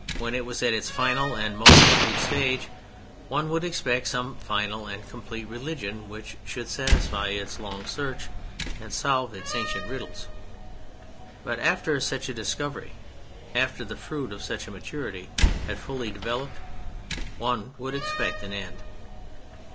When it was at its final and most complete stage, one would expect some final and complete religion which should satisfy its long search and solve its ancient riddles: but after such a discovery, after the fruit of such a maturity had fully developed, one would expect an end.